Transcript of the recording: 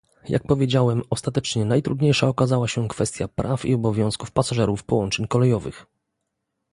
Jak powiedziałem, ostatecznie najtrudniejsza okazała się kwestia praw i obowiązków pasażerów połączeń kolejowych